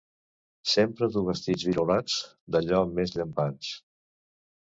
Sempre duu vestits virolats, d'allò més llampants.